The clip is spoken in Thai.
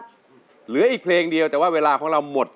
โทษใจโทษใจโทษใจโทษใจโทษใจโทษใจโทษใจโทษใจโทษใจ